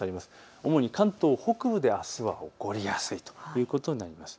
主に関東北部であすは起こりやすいということになります。